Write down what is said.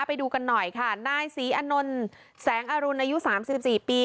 ไปดูกันหน่อยค่ะนายศรีอนนท์แสงอรุณอายุ๓๔ปี